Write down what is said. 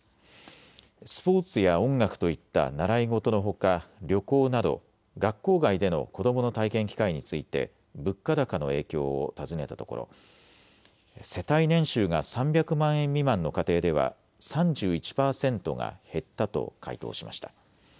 スポーツや音楽といった習い事のほか、旅行など学校外での子どもの体験機会について物価高の影響を尋ねたところ、世帯年収が３００万円未満の家庭では３１％が減ったと回答しました。